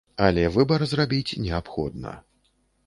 Але выбар зрабіць неабходна.